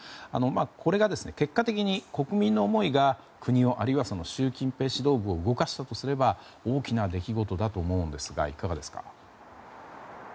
これが結果的に国民の思いが国を、あるいは習近平指導部を動かしたとすれば大きな出来事だと思うのですがいかがですか。